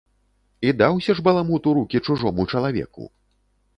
І даўся ж баламут у рукі чужому чалавеку!